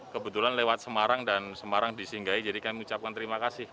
kebetulan lewat semarang dan semarang disinggahi jadi kami ucapkan terima kasih